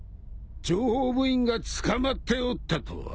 諜報部員が捕まっておったとは。